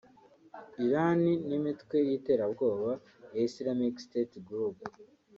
Iran n’imitwe y’iterabwoba ya Islamic state Group